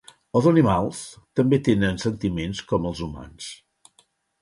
Els animals també tenen sentiments com els humans